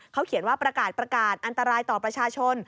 เขาเขียนว่าประกาศประกาศอันตรายต่อประชาชน